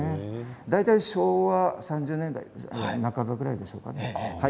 大体昭和３０年代半ばぐらいまででしょうかね。